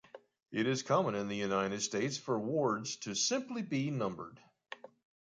It is common in the United States for wards to simply be numbered.